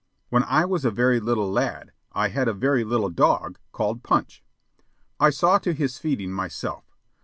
When I was a very little lad, I had a very little dog called Punch. I saw to his feeding myself.